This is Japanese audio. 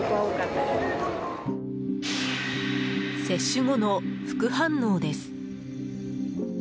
接種後の副反応です。